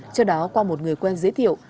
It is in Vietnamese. trước đó qua một người quen giới thiệu